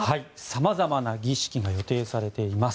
さまざまな儀式が予定されています。